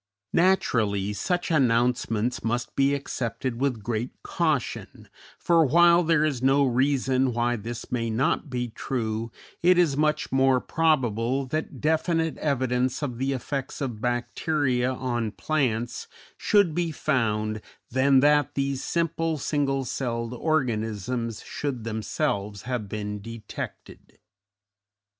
Naturally such announcements must be accepted with great caution, for while there is no reason why this may not be true, it is much more probable that definite evidence of the effects of bacteria on plants should be found than that these simple, single celled organisms should themselves have been detected.